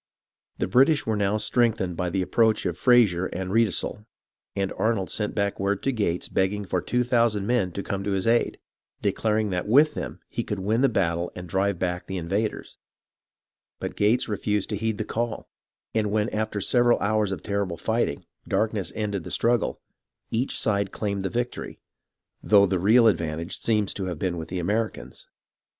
The British were now strengthened by the approach of Fraser and Riedesel, and Arnold sent back word to Gates 206 HISTORY OF THE AMERICAN REVOLUTION begging for two thousand men to come to his aid, de claring that with them he could win the battle and drive back the invaders ; but Gates refused to heed the call, and when, after several hours of terrible fighting, darkness ended the struggle, each side claimed the victory, though the real advantage seems to have been with the Americans.